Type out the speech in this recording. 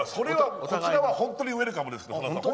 こちらは本当にウェルカムです。